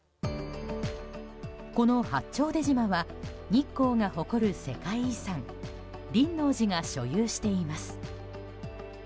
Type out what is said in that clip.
この八丁出島は日光が誇る世界遺産・輪王寺が所有しています。